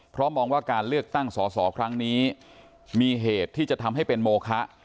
เพราะมองว่าการเลือกตั้งสอสอครั้งนี้มีเหตุที่จะทำให้เป็นโมคะ